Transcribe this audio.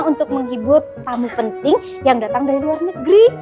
untuk menghibur tamu penting yang datang dari luar negeri